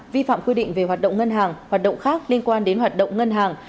vi phạm quy định về hoạt động ngân hàng hoạt động khác liên quan đến hoạt động ngân hàng